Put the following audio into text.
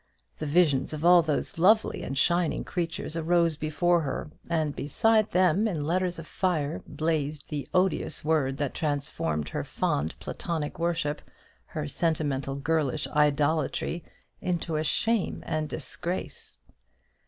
The visions of all those lovely and shining creatures arose before her; and beside them, in letters of fire, blazed the odious word that transformed her fond platonic worship, her sentimental girlish idolatry, into a shame and disgrace.